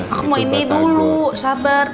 aku mau ini dulu sabar